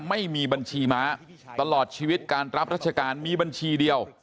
ไม่มีบัญชีม้าตลอดชีวิตการรับรัชการมีบัญชีเดียว